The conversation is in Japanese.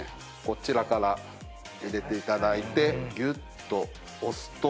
こちらから入れていただいてぎゅっと押すと。